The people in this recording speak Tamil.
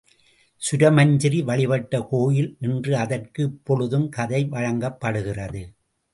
சுரமஞ்சரி வழிபட்ட கோயில் என்று அதற்கு இப்பொழுதும் கதை வழங்கப்படுகிறது.